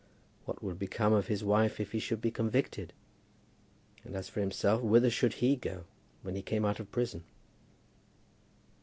What would become of his wife if he should be convicted? And as for himself, whither should he go when he came out of prison?